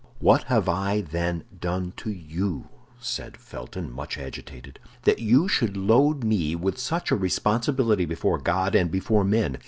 "What have I, then, done to you," said Felton, much agitated, "that you should load me with such a responsibility before God and before men?